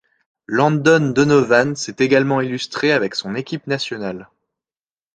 Landon Donovan s'est également illustré avec son équipe nationale.